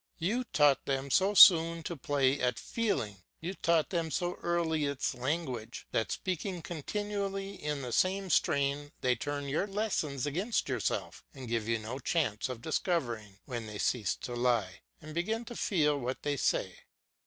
You taught them so soon to play at feeling, you taught them so early its language, that speaking continually in the same strain they turn your lessons against yourself, and give you no chance of discovering when they cease to lie, and begin to feel what they say.